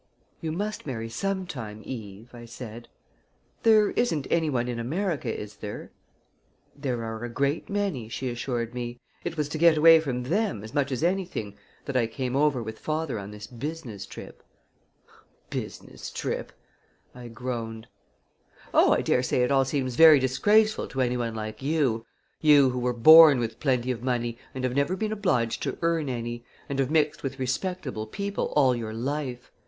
"You must marry sometime. Eve," I said. "There isn't any one in America, is there?" "There are a great many," she assured me. "It was to get away from them, as much as anything, that I came over with father on this business trip." "Business trip!" I groaned. "Oh! I dare say it all seems very disgraceful to any one like you you who were born with plenty of money and have never been obliged to earn any, and have mixed with respectable people all your life!"